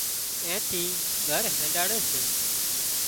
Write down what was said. اين ٿي گھر هينڏاڙي سي